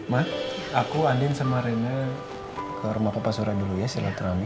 mat aku anding sama rena ke rumah papa surat dulu ya silahkan rami